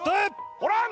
ホラン！